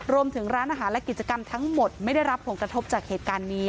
รวมถึงร้านอาหารและกิจกรรมทั้งหมดไม่ได้รับผลกระทบจากเหตุการณ์นี้